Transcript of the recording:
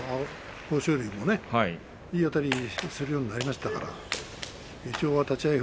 豊昇龍も、いいあたりをするようになりましたから一応、立ち合い